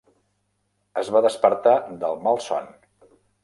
Es va despertar del malson.